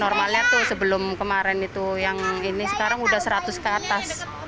normalnya tuh sebelum kemarin itu yang ini sekarang udah seratus ke atas